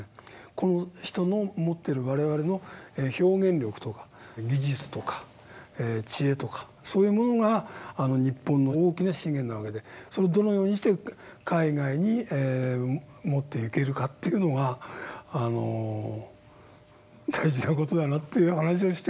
この人の持ってる我々の表現力とか技術とか知恵とかそういうものが日本の大きな資源なわけでそれをどのようにして海外に持っていけるかというのが大事な事だなという話をして。